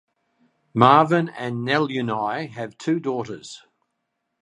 Marvan and Neluni have two daughters.